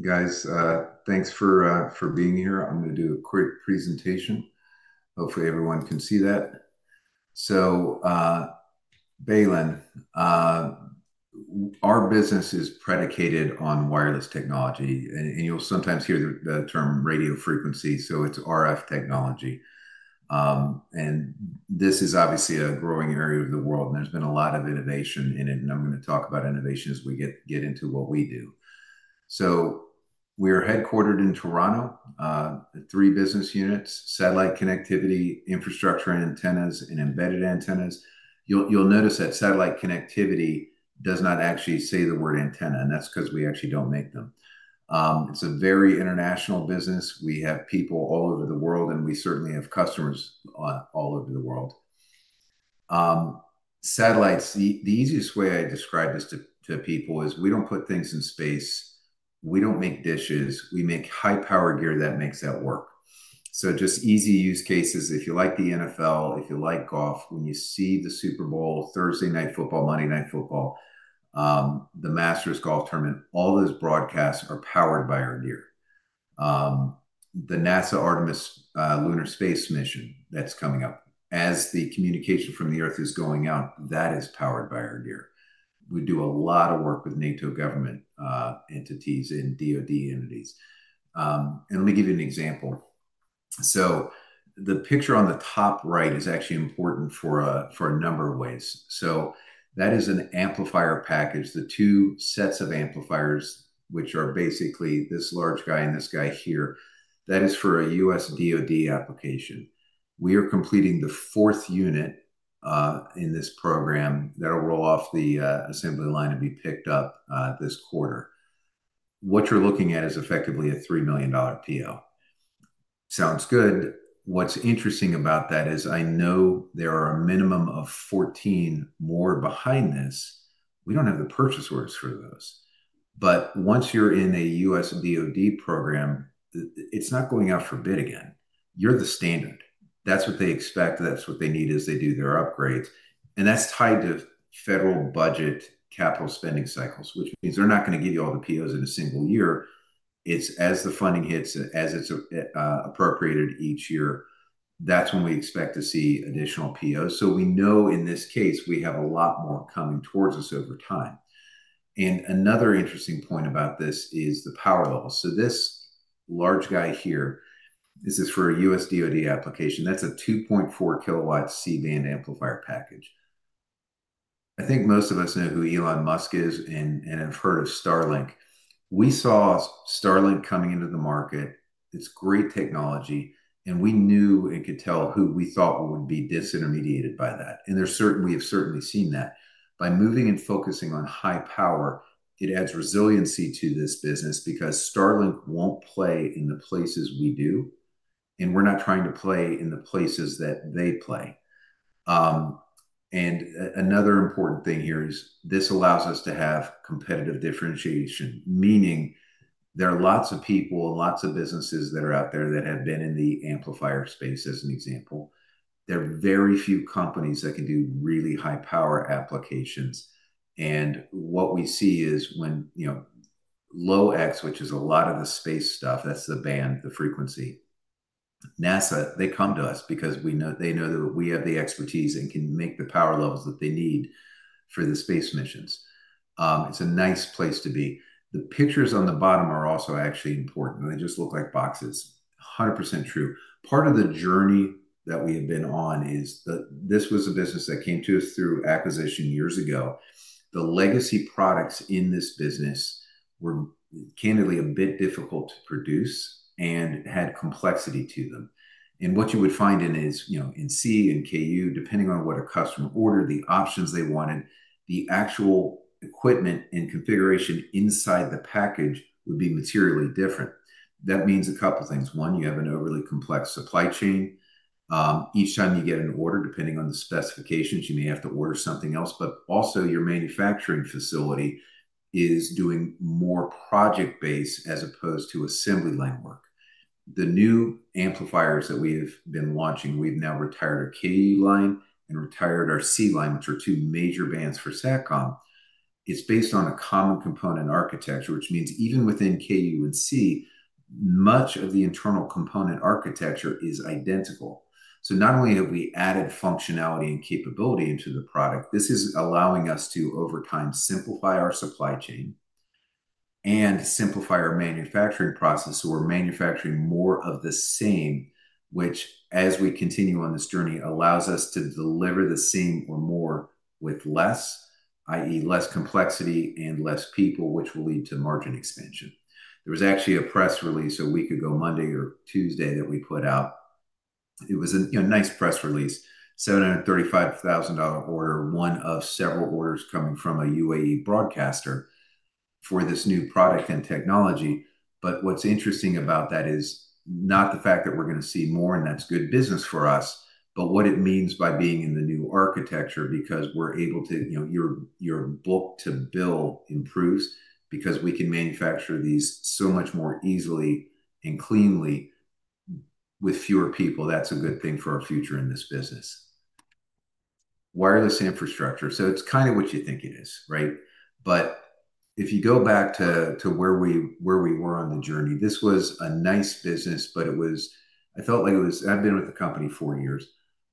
Guys, thanks for being here. I'm going to do a quick presentation. Hopefully, everyone can see that. Baylin, our business is predicated on wireless technology, and you'll sometimes hear the term radio frequency, so it's RF technology. This is obviously a growing area of the world, and there's been a lot of innovation in it. I'm going to talk about innovation as we get into what we do. We are headquartered in Toronto, with three business units: Satellite Connectivity, Infrastructure Antennas, and Embedded Antennas. You'll notice that Satellite Connectivity does not actually say the word antenna, and that's because we actually don't make them. It's a very international business. We have people all over the world, and we certainly have customers all over the world. Satellites, the easiest way I describe it to people is we don't put things in space. We don't make dishes. We make high-powered gear that makes that work. Just easy use cases. If you like the NFL, if you like golf, when you see the Super Bowl, Thursday Night Football, Monday Night Football, the Masters golf tournament, all those broadcasts are powered by our gear. The NASA Artemis lunar space mission that's coming up, as the communication from the Earth is going out, that is powered by our gear. We do a lot of work with NATO government entities and DOD entities. Let me give you an example. The picture on the top right is actually important for a number of ways. That is an amplifier package, the two sets of amplifiers, which are basically this large guy and this guy here. That is for a U.S. DOD application. We are completing the fourth unit in this program. That'll roll off the assembly line and be picked up this quarter. What you're looking at is effectively a 3 million dollar PO. Sounds good. What's interesting about that is I know there are a minimum of 14 more behind this. We don't have the purchase orders for those. Once you're in a U.S. DOD program, it's not going out for bid again. You're the standard. That's what they expect. That's what they need as they do their upgrades. That's tied to federal budget capital spending cycles, which means they're not going to give you all the POs in a single year. It's as the funding hits, as it's appropriated each year, that's when we expect to see additional POs. We know in this case, we have a lot more coming towards us over time. Another interesting point about this is the power level. This large guy here is for a U.S. DOD application. That's a 2.4 kW C-band amplifier package. I think most of us know who Elon Musk is and have heard of Starlink. We saw Starlink coming into the market. It's great technology, and we knew it could tell who we thought would be disintermediated by that. We have certainly seen that. By moving and focusing on high power, it adds resiliency to this business because Starlink won't play in the places we do, and we're not trying to play in the places that they play. Another important thing here is this allows us to have competitive differentiation, meaning there are lots of people, lots of businesses that are out there that have been in the amplifier space, as an example. There are very few companies that can do really high-power applications. What we see is when, you know, low-ech, which is a lot of the space stuff, that's the band, the frequency. NASA, they come to us because they know that we have the expertise and can make the power levels that they need for the space missions. It's a nice place to be. The pictures on the bottom are also actually important. They just look like boxes. 100% true. Part of the journey that we have been on is that this was a business that came to us through acquisition years ago. The legacy products in this business were candidly a bit difficult to produce and had complexity to them. What you would find is, you know, in C and Ku, depending on what a customer ordered, the options they wanted, the actual equipment and configuration inside the package would be materially different. That means a couple of things. One, you have an overly complex supply chain. Each time you get an order, depending on the specifications, you may have to order something else. Also, your manufacturing facility is doing more project-based as opposed to assembly line work. The new amplifiers that we've been launching, we've now retired our Ku line and retired our C line, which are two major bands for satcom. It's based on a common component architecture, which means even within Ku and C, much of the internal component architecture is identical. Not only have we added functionality and capability into the product, this is allowing us to, over time, simplify our supply chain and simplify our manufacturing process. We're manufacturing more of the same, which, as we continue on this journey, allows us to deliver the same or more with less, i.e., less complexity and less people, which will lead to margin expansion. There was actually a press release a week ago, Monday or Tuesday, that we put out. It was a nice press release, 735,000 dollar order, one of several orders coming from a UAE broadcaster for this new product and technology. What's interesting about that is not the fact that we're going to see more, and that's good business for us, but what it means by being in the new architecture because we're able to, you know, your book to bill improves because we can manufacture these so much more easily and cleanly with fewer people. That's a good thing for our future in this business. Wireless Infrastructure. It's kind of what you think it is, right? If you go back to where we were on the journey, this was a nice business, but it was, I felt like it was, I've been with the company four years.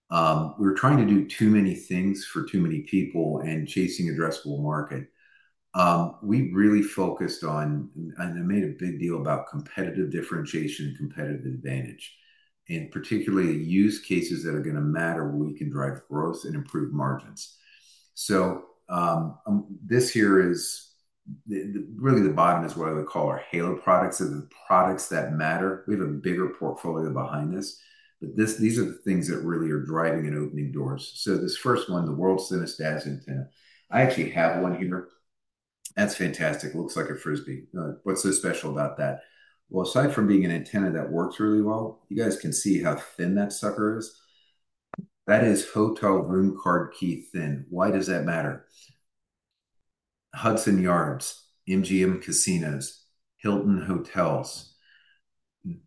We were trying to do too many things for too many people and chasing a dressable market. We really focused on, and I made a big deal about competitive differentiation and competitive advantage, and particularly use cases that are going to matter where we can drive growth and improve margins. This here is really the bottom is what I would call our halo products. The products that matter, we have a bigger portfolio behind this, but these are the things that really are driving and opening doors. This first one, the world's thinnest DAS antenna. I actually have one here. That's fantastic. Looks like a frisbee. What's so special about that? Aside from being an antenna that works really well, you guys can see how thin that sucker is. That is hotel room card key thin. Why does that matter? Hudson Yards, MGM Casinos, Hilton Hotels,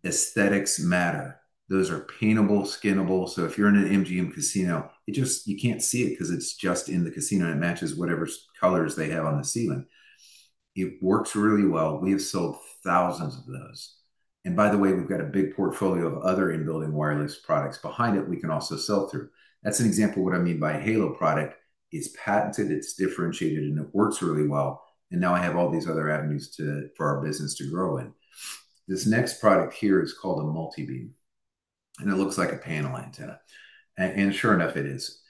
aesthetics matter. Those are paintable, skinnable. If you're in an MGM Casino, you can't see it because it's just in the casino and it matches whatever colors they have on the ceiling. It works really well. We have sold thousands of those. By the way, we've got a big portfolio of other in-building wireless products behind it we can also sell through. That's an example of what I mean by a halo product. It's patented, it's differentiated, and it works really well. Now I have all these other avenues for our business to grow in. This next product here is called a multibeam. It looks like a panel antenna. Sure enough, it is.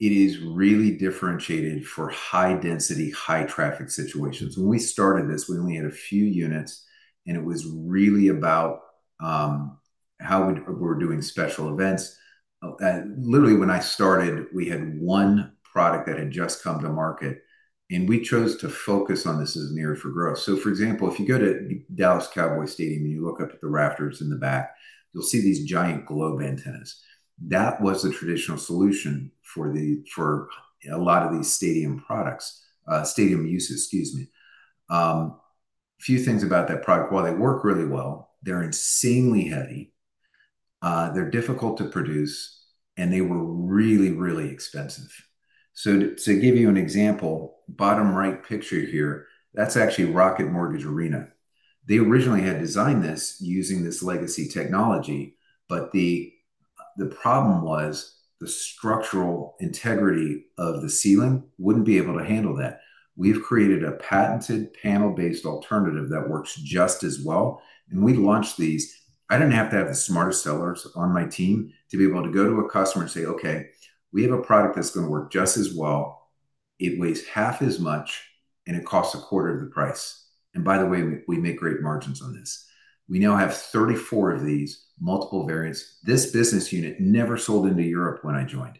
It is really differentiated for high-density, high-traffic situations. When we started this, we only had a few units, and it was really about how we're doing special events. Literally, when I started, we had one product that had just come to market, and we chose to focus on this as near for growth. For example, if you go to Dallas Cowboys Stadium and you look up at the rafters in the back, you'll see these giant globe antennas. That was the traditional solution for a lot of these stadium products, stadium uses, excuse me. A few things about that product. While they work really well, they're insanely heavy, they're difficult to produce, and they were really, really expensive. To give you an example, bottom right picture here, that's actually Rocket Mortgage Arena. They originally had designed this using this legacy technology, but the problem was the structural integrity of the ceiling wouldn't be able to handle that. We've created a patented panel-based alternative that works just as well. We launched these. I didn't have to have the smartest sellers on my team to be able to go to a customer and say, "Okay, we have a product that's going to work just as well. It weighs half as much, and it costs a quarter of the price." By the way, we make great margins on this. We now have 34 of these, multiple variants. This business unit never sold into Europe when I joined.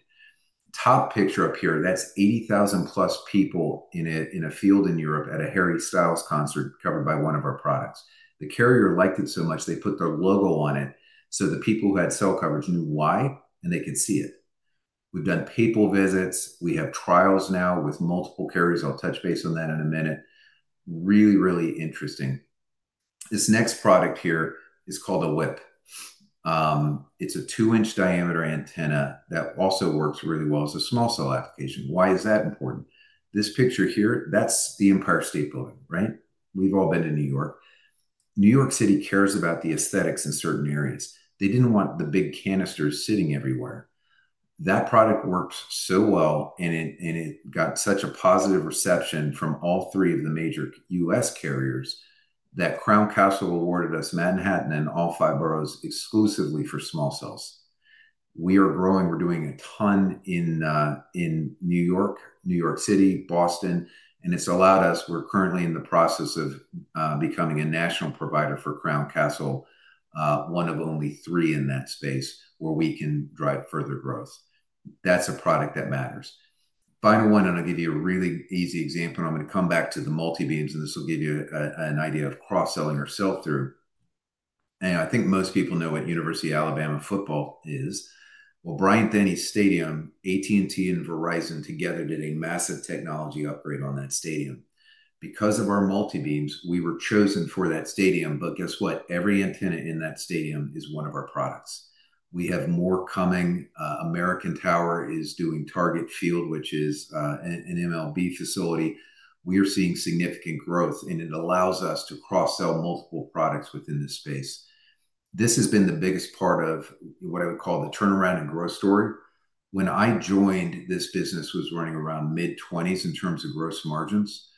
Top picture up here, that's 80,000+ people in a field in Europe at a Harry Styles concert covered by one of our products. The carrier liked it so much, they put their logo on it so the people who had cell coverage knew why and they could see it. We've done pay-per-visits. We have trials now with multiple carriers. I'll touch base on that in a minute. Really, really interesting. This next product here is called a Whip. It's a two-inch diameter antenna that also works really well as a small cell application. Why is that important? This picture here, that's the Empire State Building, right? We've all been in New York. New York City cares about the aesthetics in certain areas. They didn't want the big canisters sitting everywhere. That product works so well, and it got such a positive reception from all three of the major U.S. carriers that Crown Castle awarded us Manhattan and all five boroughs exclusively for small cells. We are growing. We're doing a ton in New York, New York City, Boston, and it's allowed us, we're currently in the process of becoming a national provider for Crown Castle, one of only three in that space where we can drive further growth. That's a product that matters. Final one, I'm going to give you a really easy example, and I'm going to come back to the multibeams, and this will give you an idea of cross-selling or sell-through. I think most people know what University of Alabama football is. Brian Denny's stadium, AT&T and Verizon together did a massive technology upgrade on that stadium. Because of our multibeams, we were chosen for that stadium, but guess what? Every antenna in that stadium is one of our products. We have more coming. American Tower is doing Target Field, which is an MLB facility. We are seeing significant growth, and it allows us to cross-sell multiple products within this space. This has been the biggest part of what I would call the turnaround and growth story. When I joined, this business was running around mid-20s in terms of gross margins.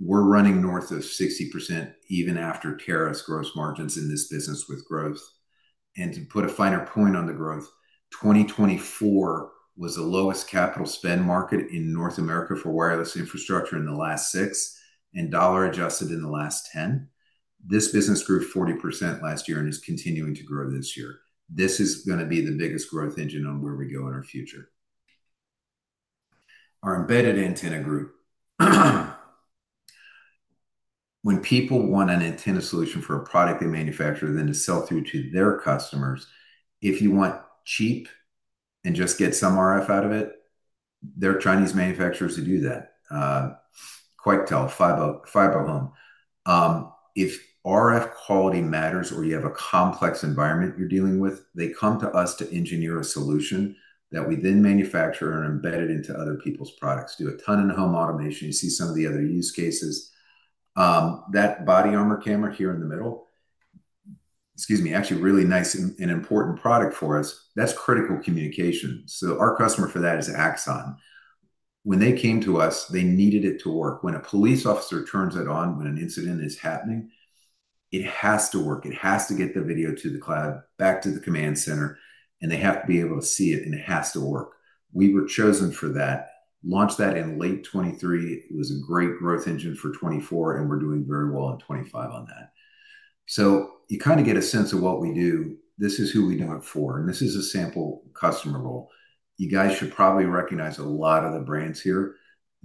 We're running north of 60%, even after tariffs, gross margins in this business with growth. To put a finer point on the growth, 2024 was the lowest capital spend market in North America for wireless infrastructure in the last six, and dollar adjusted in the last 10. This business grew 40% last year and is continuing to grow this year. This is going to be the biggest growth engine on where we go in our future. Our Embedded Antenna group. What do you find about it? When people want an antenna solution for a product they manufacture to sell through to their customers, if you want cheap and just get some RF out of it, there are Chinese manufacturers who do that. Quectel, Fibocom. If RF quality matters or you have a complex environment you're dealing with, they come to us to engineer a solution that we then manufacture and embed into other people's products. Do a ton in home automation. You see some of the other use cases. That body armor camera here in the middle, excuse me, actually really nice and important product for us. That's critical communication. Our customer for that is Axon. When they came to us, they needed it to work. When a police officer turns it on when an incident is happening, it has to work. It has to get the video to the cloud, back to the command center, and they have to be able to see it, and it has to work. We were chosen for that. Launched that in late 2023. It was a great growth engine for 2024, and we're doing very well in 2025 on that. You kind of get a sense of what we do. This is who we do it for, and this is a sample customer role. You guys should probably recognize a lot of the brands here.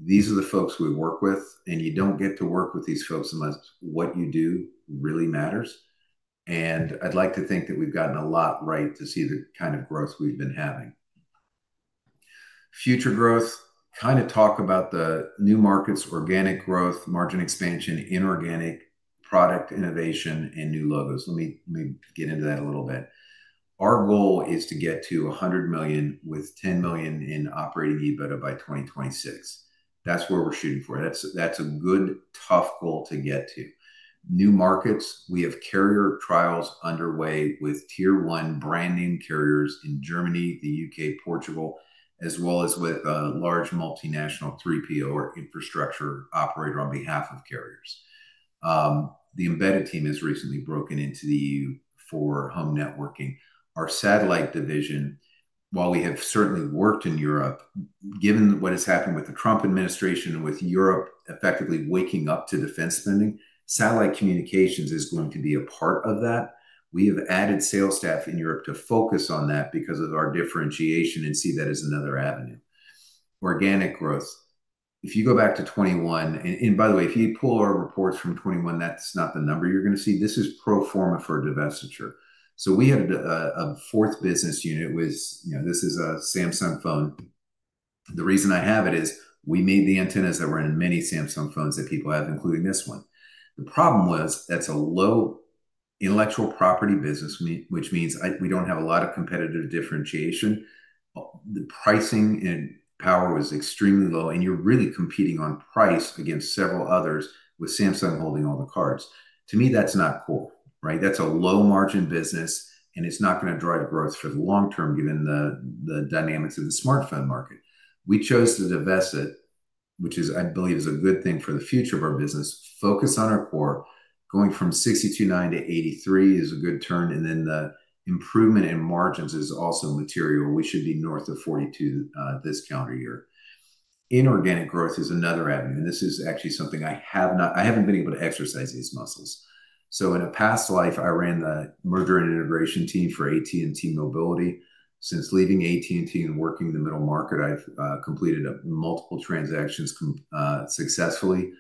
These are the folks we work with, and you don't get to work with these folks unless what you do really matters. I'd like to think that we've gotten a lot right to see the kind of growth we've been having. Future growth, kind of talk about the new markets, organic growth, margin expansion, inorganic, product innovation, and new logos. Let me get into that a little bit. Our goal is to get to 100 million with 10 million in operating EBITDA by 2026. That's where we're shooting for. That's a good, tough goal to get to. New markets, we have carrier trials underway with tier one branding carriers in Germany, the U.K., Portugal, as well as with a large multinational 3PO or infrastructure operator on behalf of carriers. The embedded team has recently broken into the EU for home networking. Our satellite division, while we have certainly worked in Europe, given what has happened with the Trump administration and with Europe effectively waking up to defense spending, satellite communications is going to be a part of that. We have added sales staff in Europe to focus on that because of our differentiation and see that as another avenue. Organic growth. If you go back to 2021, and by the way, if you pull our reports from 2021, that's not the number you're going to see. This is pro forma for divestiture. We had a fourth business unit with, you know, this is a Samsung phone. The reason I have it is we made the antennas that were in many Samsung phones that people have, including this one. The problem was that's a low intellectual property business, which means we don't have a lot of competitive differentiation. The pricing and power was extremely low, and you're really competing on price against several others with Samsung holding all the cards. To me, that's not cool, right? That's a low margin business, and it's not going to drive growth for the long term, given the dynamics of the smartphone market. We chose to divest it, which I believe is a good thing for the future of our business. Focus on our core. Going from 62.9 million to 83 million is a good turn, and the improvement in margins is also material. We should be north of 42% this calendar year. Inorganic growth is another avenue, and this is actually something I haven't been able to exercise these muscles. In a past life, I ran the merger and integration team for AT&T Mobility. Since leaving AT&T and working in the middle market, I've completed multiple transactions successfully.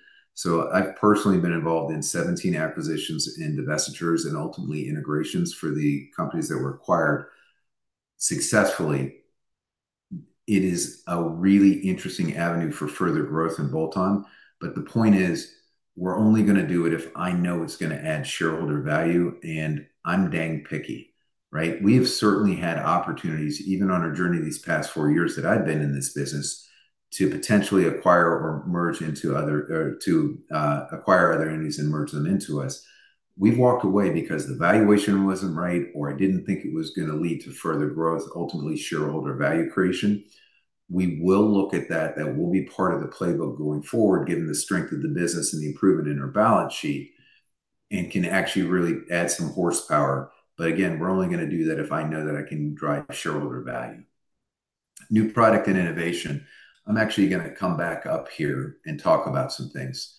I've personally been involved in 17 acquisitions and divestitures and ultimately integrations for the companies that were acquired successfully. It is a really interesting avenue for further growth and bolt-on. The point is, we're only going to do it if I know it's going to add shareholder value, and I'm dang picky, right? We have certainly had opportunities, even on our journey these past four years that I've been in this business, to potentially acquire or merge into other, or to acquire other entities and merge them into us. We've walked away because the valuation wasn't right, or I didn't think it was going to lead to further growth, ultimately shareholder value creation. We will look at that. That will be part of the playbook going forward, given the strength of the business and the improvement in our balance sheet, and can actually really add some horsepower. Again, we're only going to do that if I know that I can drive shareholder value. New product and innovation. I'm actually going to come back up here and talk about some things.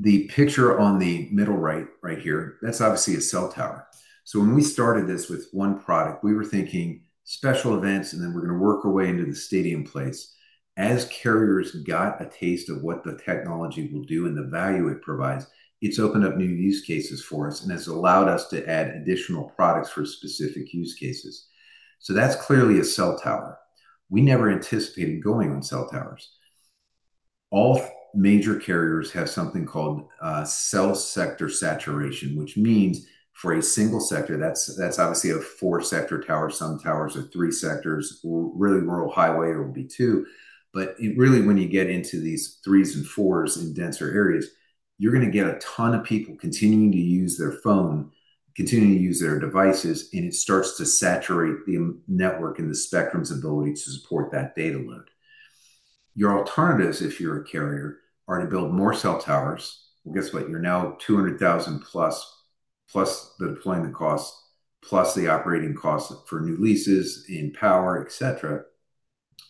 The picture on the middle right right here, that's obviously a cell tower. When we started this with one product, we were thinking special events, and then we're going to work our way into the stadium place. As carriers got a taste of what the technology will do and the value it provides, it's opened up new use cases for us and has allowed us to add additional products for specific use cases. That's clearly a cell tower. We never anticipated going on cell towers. All major carriers have something called cell sector saturation, which means for a single sector, that's obviously a four-sector tower. Some towers are three sectors, or really a rural highway will be two. When you get into these threes and fours in denser areas, you're going to get a ton of people continuing to use their phone, continuing to use their devices, and it starts to saturate the network and the spectrum's ability to support that data load. Your alternatives, if you're a carrier, are to build more cell towers. Guess what? You're now 200,000+, plus the deployment costs, plus the operating costs for new leases in power, etc.,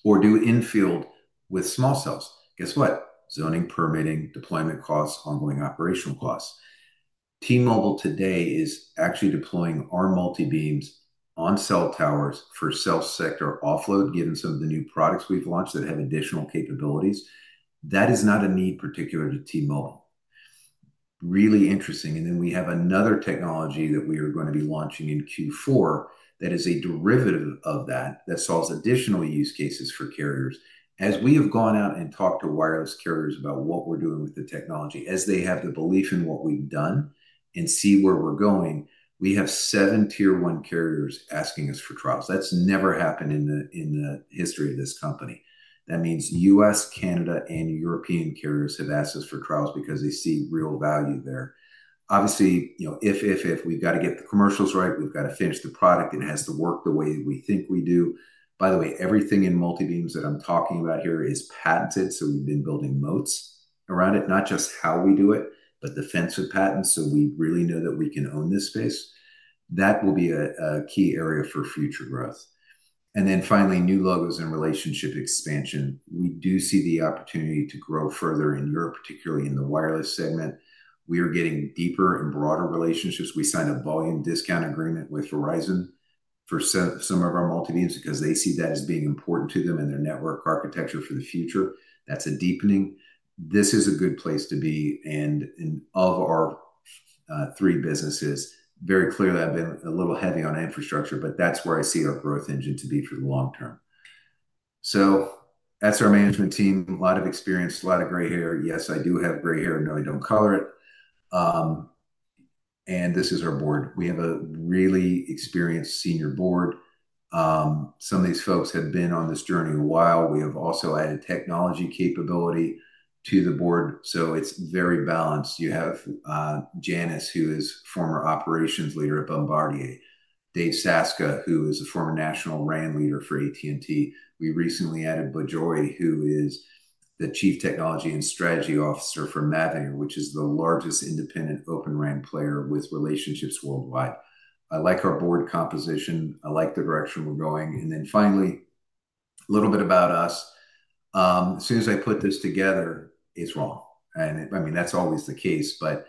or do infield with small cells. Guess what? Zoning, permitting, deployment costs, ongoing operational costs. T-Mobile today is actually deploying our multibeam antennas on cell towers for cell sector offload, given some of the new products we've launched that have additional capabilities. That is not a need particular to T-Mobile. Really interesting. We have another technology that we are going to be launching in Q4 that is a derivative of that that solves additional use cases for carriers. As we have gone out and talked to wireless carriers about what we're doing with the technology, as they have the belief in what we've done and see where we're going, we have seven tier one carriers asking us for trials. That's never happened in the history of this company. That means U.S., Canada, and European carriers have asked us for trials because they see real value there. Obviously, we've got to get the commercials right, we've got to finish the product, and it has to work the way we think we do. By the way, everything in multibeam antennas that I'm talking about here is patented, so we've been building moats around it, not just how we do it, but defensive patents, so we really know that we can own this space. That will be a key area for future growth. Finally, new logos and relationship expansion. We do see the opportunity to grow further in Europe, particularly in the wireless segment. We are getting deeper and broader relationships. We signed a volume discount agreement with Verizon for some of our multibeam antennas because they see that as being important to them and their network architecture for the future. That's a deepening. This is a good place to be, and in all of our three businesses, very clearly, I've been a little heavy on infrastructure, but that's where I see our growth engine to be for the long term. That's our management team. A lot of experience, a lot of gray hair. Yes, I do have gray hair. No, I don't color it. This is our board. We have a really experienced senior board. Some of these folks have been on this journey a while. We have also added technology capability to the board, so it's very balanced. You have Janice, who is former operations leader at Bombardier, Dave Saska, who is a former national RAN leader for AT&T. We recently added Bejoy, who is the Chief Technology and Strategy Officer for Mavenir, which is the largest independent open RAN player with relationships worldwide. I like our board composition. I like the direction we're going. Finally, a little bit about us. As soon as I put this together, it's wrong. I mean, that's always the case, but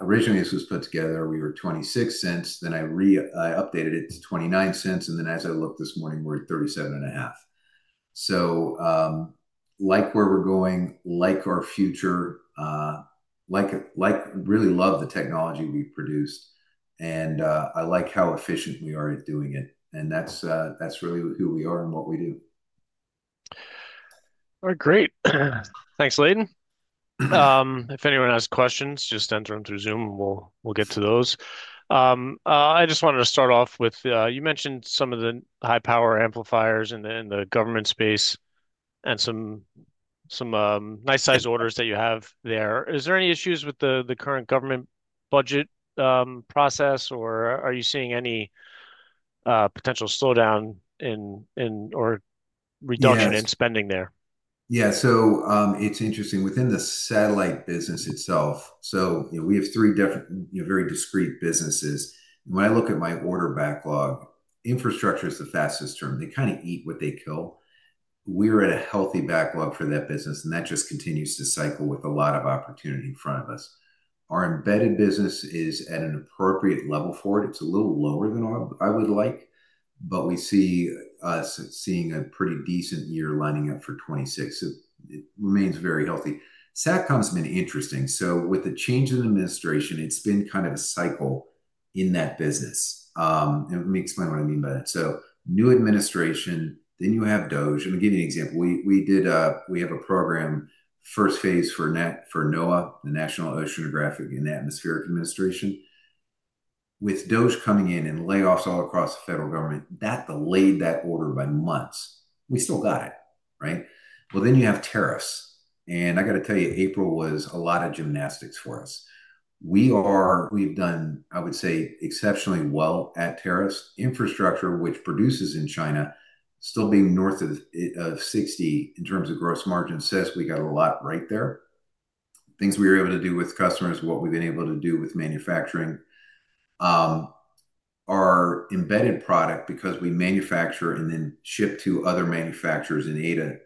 originally this was put together. We were 0.26. Then I updated it to 0.29. Then as I looked this morning, we're at 0.375. I like where we're going, like our future, like really love the technology we've produced, and I like how efficient we are at doing it. That's really who we are and what we do. All right, great. Thanks, Leighton. If anyone has questions, just enter them through Zoom, and we'll get to those. I just wanted to start off with, you mentioned some of the high-power amplifiers in the government space and some nice-sized orders that you have there. Are there any issues with the current government budget process, or are you seeing any potential slowdown in or reduction in spending there? Yeah, so it's interesting. Within the satellite business itself, we have three different, very discrete businesses. When I look at my order backlog, infrastructure is the fastest term. They kind of eat what they kill. We're at a healthy backlog for that business, and that just continues to cycle with a lot of opportunity in front of us. Our embedded business is at an appropriate level for it. It's a little lower than I would like, but we see us seeing a pretty decent year lining up for 2026. It remains very healthy. Satcom's been interesting. With the change in administration, it's been kind of a cycle in that business. Let me explain what I mean by that. New administration, then you have DOGE. I'm going to give you an example. We did, we have a program, first phase for NOAA, the National Oceanographic and Atmospheric Administration. With DOGE coming in and layoffs all across the federal government, that delayed that order by months. We still got it, right? Then you have tariffs. I got to tell you, April was a lot of gymnastics for us. We are, we've done, I would say, exceptionally well at tariffs. Infrastructure, which produces in China, still being north of 60% in terms of gross margins, says we got a lot right there. Things we were able to do with customers, what we've been able to do with manufacturing. Our embedded product, because we manufacture and then ship to other manufacturers in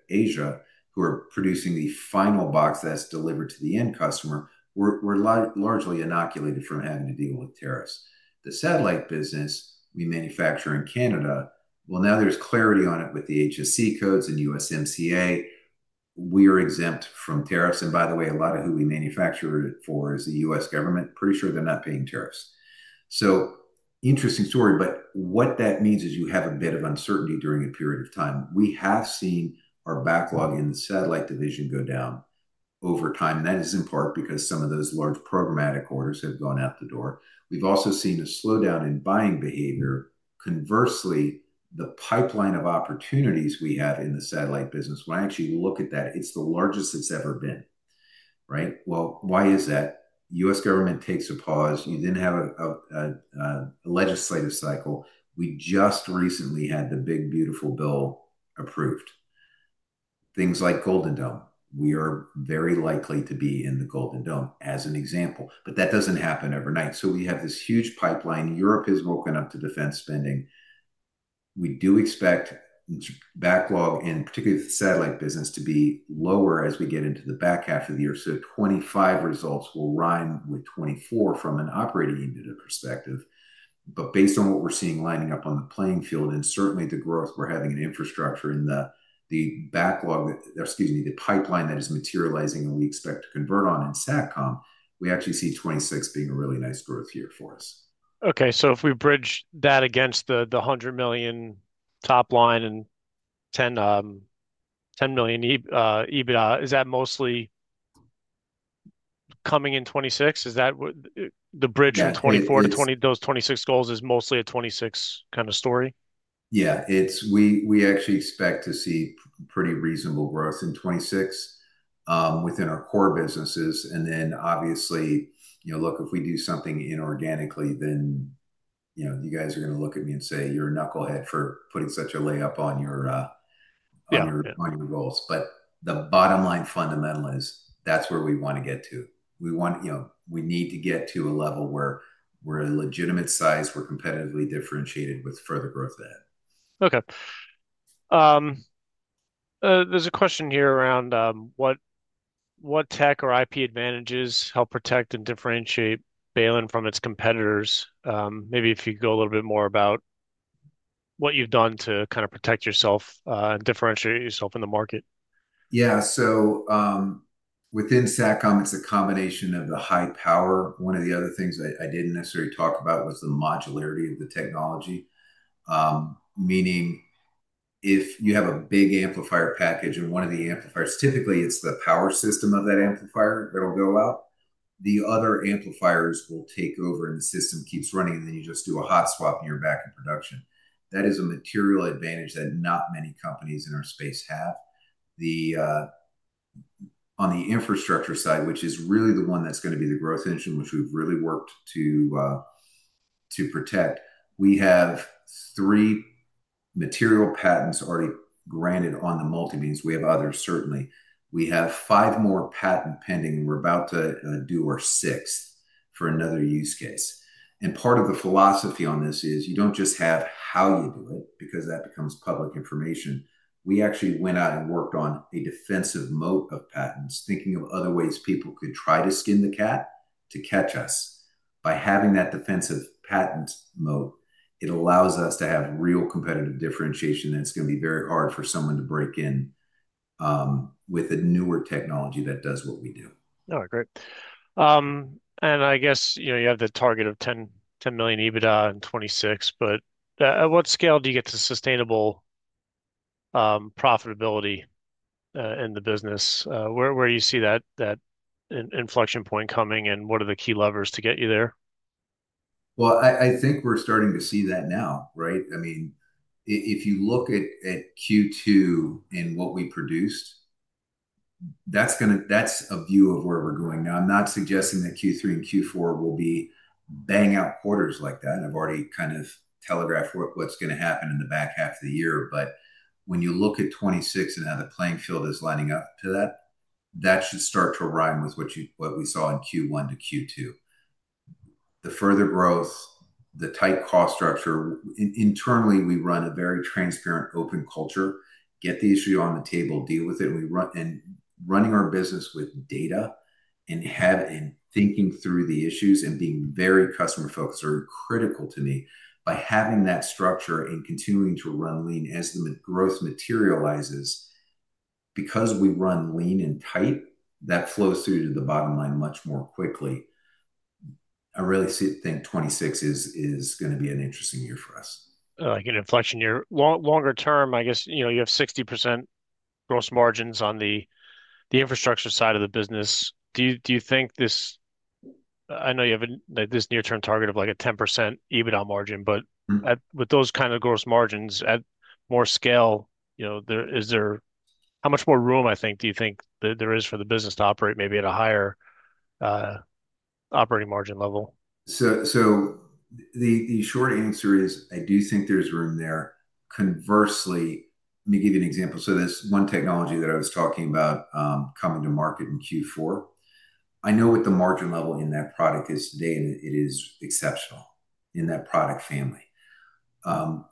Asia, who are producing the final box that's delivered to the end customer, we're largely inoculated from having to deal with tariffs. The satellite business we manufacture in Canada, now there's clarity on it with the HS codes and USMCA. We are exempt from tariffs. By the way, a lot of who we manufacture for is the U.S. government. Pretty sure they're not paying tariffs. Interesting story, but what that means is you have a bit of uncertainty during a period of time. We have seen our backlog in the satellite division go down over time. That is in part because some of those large programmatic orders have gone out the door. We've also seen a slowdown in buying behavior. Conversely, the pipeline of opportunities we have in the satellite business, when I actually look at that, it's the largest it's ever been. Right? Why is that? The U.S. government takes a pause. You then have a legislative cycle. We just recently had the Big Beautiful Bill approved. Things like Golden Dome, we are very likely to be in the Golden Dome as an example. That doesn't happen overnight. We have this huge pipeline. Europe has woken up to defense spending. We do expect the backlog, in particular the satellite business, to be lower as we get into the back half of the year. The 2025 results will rhyme with 2024 from an operating unit perspective. Based on what we're seeing lining up on the playing field and certainly the growth we're having in infrastructure in the backlog, the pipeline that is materializing and we expect to convert on in satcom, we actually see 2026 being a really nice growth year for us. Okay, if we bridge that against the 100 million top line and 10 million EBITDA, is that mostly coming in 2026? Is that what the bridge from 2024 to those 2026 goals is, mostly a 2026 kind of story? Yeah, we actually expect to see pretty reasonable growth in 2026 within our core businesses. Obviously, you know, look, if we do something inorganically, then you know, you guys are going to look at me and say you're a knucklehead for putting such a layup on your, yeah, your fundamental goals. The bottom line fundamental is that's where we want to get to. We want, you know, we need to get to a level where we're a legitimate size, we're competitively differentiated with further growth there. Okay. There's a question here around what tech or IP advantages help protect and differentiate Baylin from its competitors. Maybe if you could go a little bit more about what you've done to kind of protect yourself and differentiate yourself in the market. Yeah, so within satcom, it's a combination of the high power. One of the other things I didn't necessarily talk about was the modularity of the technology, meaning if you have a big amplifier package and one of the amplifiers, typically it's the power system of that amplifier that'll go out. The other amplifiers will take over and the system keeps running, and then you just do a hot swap and you're back in production. That is a material advantage that not many companies in our space have. On the infrastructure side, which is really the one that's going to be the growth engine, which we've really worked to protect, we have three material patents already granted on the multibeams. We have others, certainly. We have five more patents pending. We're about to do our sixth for another use case. Part of the philosophy on this is you don't just have how you do it because that becomes public information. We actually went out and worked on a defensive moat of patents, thinking of other ways people could try to skin the cat to catch us. By having that defensive patent moat, it allows us to have real competitive differentiation that's going to be very hard for someone to break in with a newer technology that does what we do. All right, great. I guess you have the target of 10 million EBITDA in 2026, but at what scale do you get to sustainable profitability in the business? Where do you see that inflection point coming, and what are the key levers to get you there? I think we're starting to see that now, right? I mean, if you look at Q2 and what we produced, that's a view of where we're going now. I'm not suggesting that Q3 and Q4 will be bang out quarters like that. I've already kind of telegraphed what's going to happen in the back half of the year. When you look at 2026 and how the playing field is lining up to that, that should start to rhyme with what we saw in Q1 to Q2. The further growth, the tight cost structure. Internally, we run a very transparent, open culture. Get the issue on the table, deal with it. Running our business with data and thinking through the issues and being very customer-focused are critical to me. By having that structure and continuing to run lean as the growth materializes, because we run lean and tight, that flows through to the bottom line much more quickly. I really think 2026 is going to be an interesting year for us. I like an inflection year. Longer term, I guess you know, you have 60% gross margins on the infrastructure side of the business. Do you think this, I know you have this near-term target of like a 10% EBITDA margin, but with those kinds of gross margins at more scale, you know, is there how much more room, I think, do you think that there is for the business to operate maybe at a higher operating margin level? The short answer is I do think there's room there. Conversely, let me give you an example. This one technology that I was talking about coming to market in Q4, I know what the margin level in that product is today, and it is exceptional in that product family.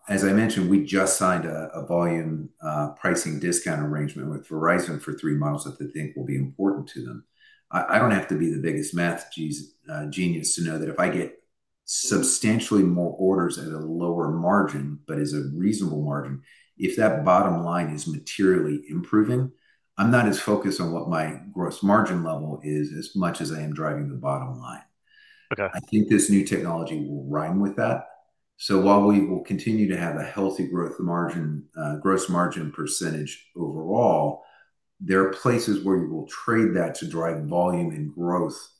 As I mentioned, we just signed a volume pricing discount arrangement with Verizon for three models that they think will be important to them. I don't have to be the biggest math genius to know that if I get substantially more orders at a lower margin, but it's a reasonable margin, if that bottom line is materially improving, I'm not as focused on what my gross margin level is as much as I am driving the bottom line. Okay. I think this new technology will rhyme with that. While we will continue to have a healthy gross margin percentage, there are places where you will trade that to drive volume and growth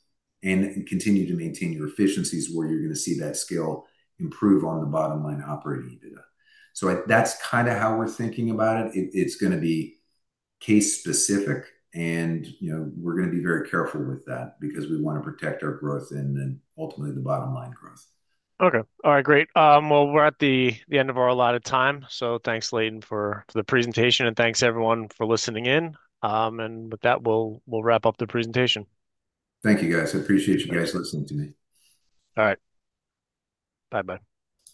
and continue to maintain your efficiencies where you're going to see that scale improve on the bottom line operating EBITDA. That's kind of how we're thinking about it. It's going to be case-specific, and we're going to be very careful with that because we want to protect our growth and then ultimately the bottom line growth. Okay. All right, great. We're at the end of our allotted time. Thanks, Leighton, for the presentation, and thanks everyone for listening in. With that, we'll wrap up the presentation. Thank you, guys. I appreciate you guys listening to me. All right. Bye-bye.